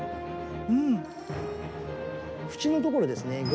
縁のところですね